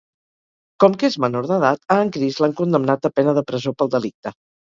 Com que és menor d'edat, a en Chris l'han condemnat a pena de presó pel delicte.